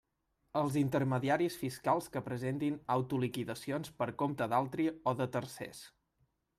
Els intermediaris fiscals que presentin autoliquidacions per compte d'altri o de tercers.